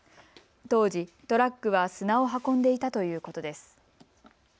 当時、トラックは砂を運んでいたということです。